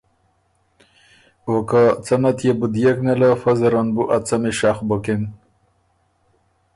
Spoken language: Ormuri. او که څه نه تيې بو ديېک نېله فۀ زرن بُو ا څمی شخ بُکِن